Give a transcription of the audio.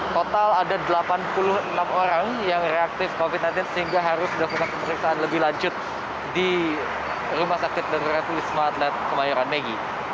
total ada delapan puluh enam orang yang reaktif covid sembilan belas sehingga harus dilakukan pemeriksaan lebih lanjut di rumah sakit darurat wisma atlet kemayoran megi